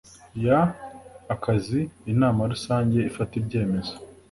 Y akazi inama rusange ifata ibyemezo